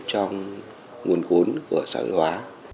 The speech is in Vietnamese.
trong nguồn vốn của xã hội hóa